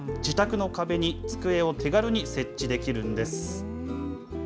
自宅の壁に机を手軽に設置できるんです。